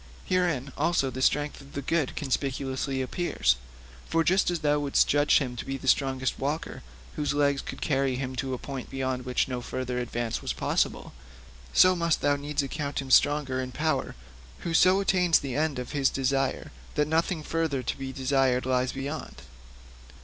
Herein also the strength of the good conspicuously appears. For just as thou wouldst judge him to be the strongest walker whose legs could carry him to a point beyond which no further advance was possible, so must thou needs account him strong in power who so attains the end of his desires that nothing further to be desired lies beyond.